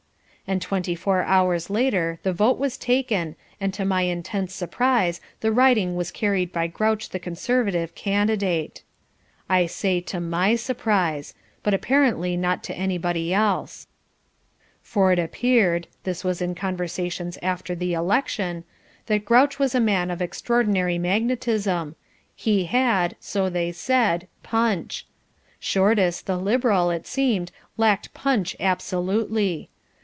And twenty four hours later the vote was taken and to my intense surprise the riding was carried by Grouch the Conservative candidate. I say, to MY surprise. But apparently not to anybody else. For it appeared this (was in conversations after the election) that Grouch was a man of extraordinary magnetism. He had, so they said, "punch." Shortis, the Liberal, it seemed, lacked punch absolutely.